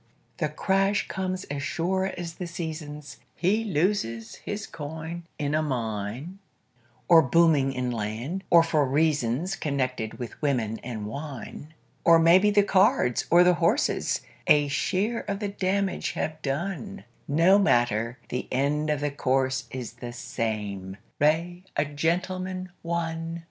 The crash comes as sure as the seasons; He loses his coin in a mine, Or booming in land, or for reasons Connected with women and wine. Or maybe the cards or the horses A share of the damage have done No matter; the end of the course is The same: "Re a Gentleman, One".